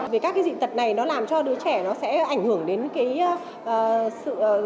vì các cái dị tật này nó làm cho đứa trẻ nó sẽ ảnh hưởng đến cái sự